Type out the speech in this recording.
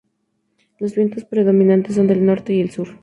Los vientos predominantes son del norte y el sur.